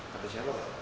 kata siapa pak